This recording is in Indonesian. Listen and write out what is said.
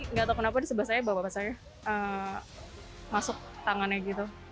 nggak tahu kenapa disebasahnya bapak bapak saya masuk tangannya gitu